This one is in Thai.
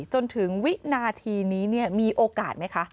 จนถึงวินาทีนี้มีโอกาสไหมคะ